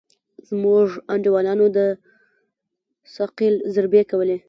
زموږ انډيوالانو د ثقيل ضربې کولې.